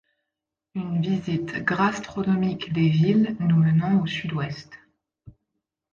Une visite grastronomique des villes nous menant au sud-ouest.